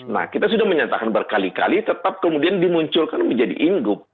nah kita sudah menyatakan berkali kali tetap kemudian dimunculkan menjadi inggup